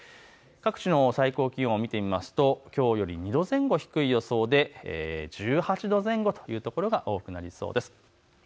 各地の最高気温、見ていきますときょうより２度前後低い予想で１８度前後という所が多くなりそうです。